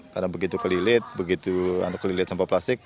karena begitu kelilet begitu kelilet sampah plastik